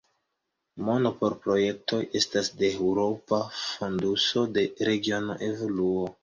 Mono por projektoj estas de Eŭropa fonduso de regiona evoluo.